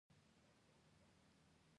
استاد د مینې او احترام وړ دی.